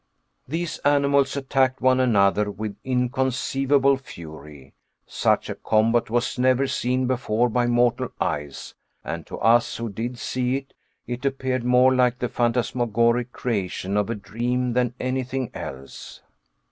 These animals attacked one another with inconceivable fury. Such a combat was never seen before by mortal eyes, and to us who did see it, it appeared more like the phantasmagoric creation of a dream than anything else.